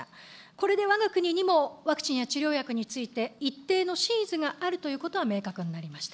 これでわが国にもワクチンや治療薬について一定のシーズがあることが明確になりました。